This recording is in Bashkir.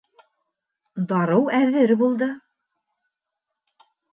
Дарыу әҙер булды.